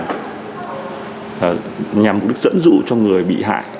nhằm mục đích dẫn dụ cho người bị hại